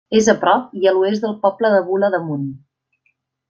És a prop i a l'oest del poble de Bula d'Amunt.